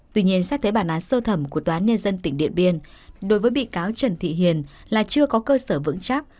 tuy nhiên xác thể bản án sâu thẩm của tòa nhà dân tỉnh điện biên đối với bị cáo trần thị hiền là chưa có cơ sở vững chắc